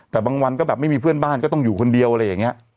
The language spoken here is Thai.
แต่บางวันก็แบบไม่มีเพื่อนบ้านก็ต้องอยู่คนเดียวอะไรอย่างนี้